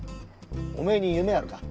おめえに夢あるか？